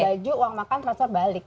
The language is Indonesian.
minta baju uang makan transport balik